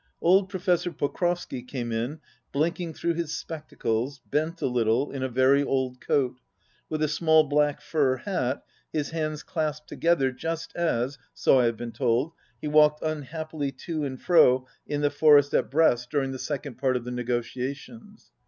Old Professor Pokrovsky came in, blinking through his spectacles, bent a little, in a very old coat, with a small black fur hat, his hands clasped together, just as, so I have been told, he walked unhappily to and fro in the fortress at Brest dur ing the second period of the negotiations.